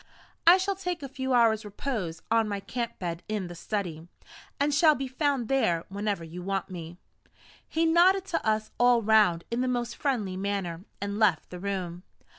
I shall take a few hours' repose on my camp bed in the study, and shall be found there whenever you want me." He nodded to us all round in the most friendly manner, and left the room.